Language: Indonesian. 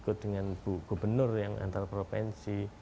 ikut dengan bu gubernur yang antar provinsi